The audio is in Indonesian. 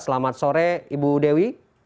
selamat sore ibu dewi